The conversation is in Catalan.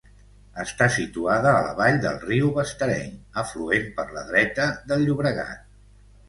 Està situada a la vall del riu Bastareny, afluent per la dreta del Llobregat.